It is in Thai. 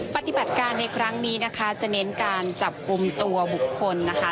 ปฏิบัติการในครั้งนี้นะคะจะเน้นการจับกลุ่มตัวบุคคลนะคะ